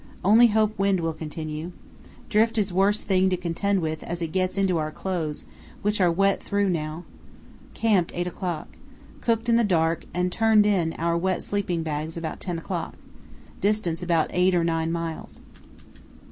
Only hope wind will continue. Drift is worst thing to contend with as it gets into our clothes, which are wet through now. Camped 8 o'clock. Cooked in the dark, and turned in in our wet sleeping bags about 10 o'clock. Distance about eight or nine miles.